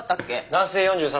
男性４３歳。